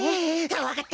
わかった！